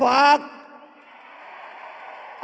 เอาความรักมาให้